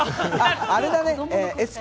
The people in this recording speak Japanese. あれだね、ＳＰ！